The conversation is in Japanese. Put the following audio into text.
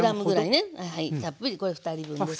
たっぷりこれ２人分ですけど。